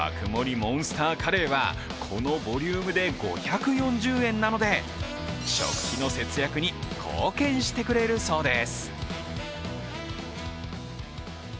モンスターカレーはこのボリュームで５４０円なので食費の節約に貢献してくれるそうです。